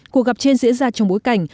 cuộc gặp trên diễn ra trong bối cảnh